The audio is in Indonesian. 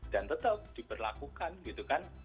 dan tetap diperlakukan gitu kan